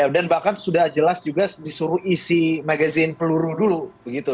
dan bahkan sudah jelas juga disuruh isi magazin peluru dulu